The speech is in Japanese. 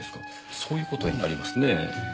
そういう事になりますねぇ。